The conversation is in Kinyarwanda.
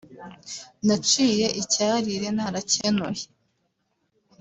naciye icyarire narakenuye